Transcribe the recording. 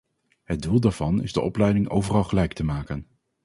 Het doel daarvan is de opleiding overal gelijk te maken.